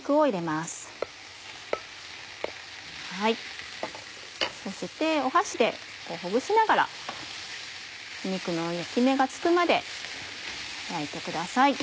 そして箸でほぐしながら肉の焼き目がつくまで焼いてください。